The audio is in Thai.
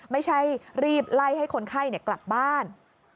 ไม่ใช่รีบไล่ให้คนไข้กลับบ้าน